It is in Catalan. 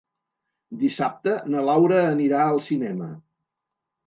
Dissabte na Laura anirà al cinema.